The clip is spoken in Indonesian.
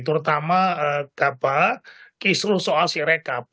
terutama kisruh soal si rekap